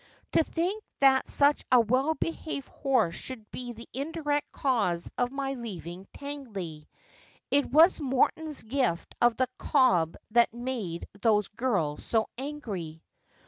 To think that such a well behaved horse should be the indirect cause of my leaving Tangley ! It was Morton's gift of the cob that made those girls so angry.'